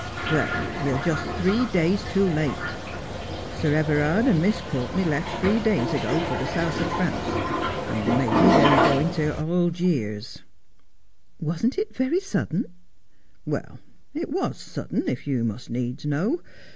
'Well, you're just three days too late. Sir Everard and Miss Shafto Jebb is sent for 179 Courtenay left three days ago for the south of France, and maybe they're going to Alljeers.' ' Wasn't it very sudden 1 ' 'Well, it was sudden, if you must needs know.